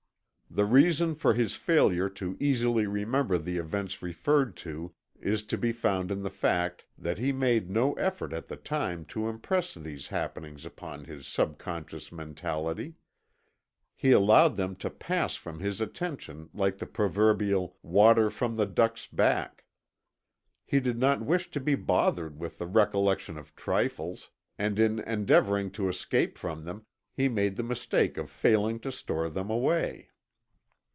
The reason for his failure to easily remember the events referred to is to be found in the fact that he made no effort at the time to impress these happenings upon his subconscious mentality. He allowed them to pass from his attention like the proverbial "water from the duck's back." He did not wish to be bothered with the recollection of trifles, and in endeavoring to escape from them, he made the mistake of failing to store them away.